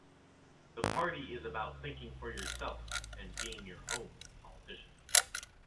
The party is about "thinking for yourself" and "being your own politician".